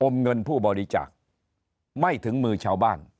เงินผู้บริจาคไม่ถึงมือชาวบ้าน